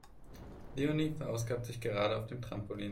Leonie verausgabt sich gerade auf dem Trampolin.